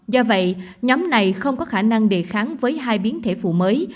do vậy nhóm này không có khả năng đề kháng với hai biến thể phụ mới